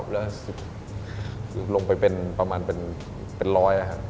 แล้วลงไปเป็นประมาณเป็นร้อยแล้วครับ